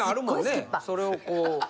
それをこう。